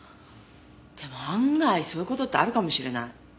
でも案外そういう事ってあるかもしれない。